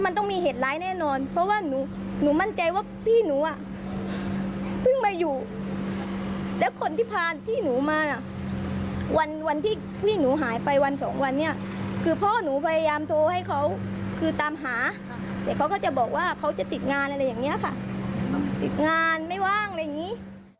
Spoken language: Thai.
งานไม่ว่างอะไรอย่างนี้